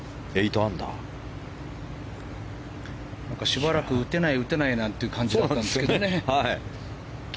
しばらく打てない、打てないって感じだったんですけどね。